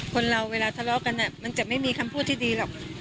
คนเราเวลาทะเลาะกันมันจะไม่มีคำพูดที่ดีหรอก